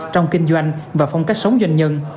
trong kinh doanh và phong cách sống doanh nhân